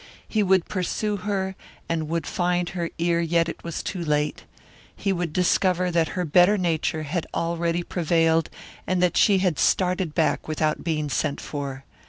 He would pursue her, would find her ere yet it was too late. He would discover that her better nature had already prevailed and that she had started back without being sent for.